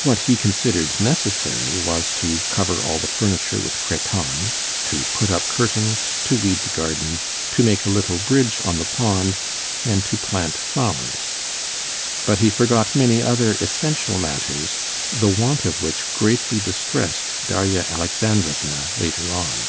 What he considered necessary was to cover all the furniture with cretonne, to put up curtains, to weed the garden, to make a little bridge on the pond, and to plant flowers. But he forgot many other essential matters, the want of which greatly distressed Darya Alexandrovna later on.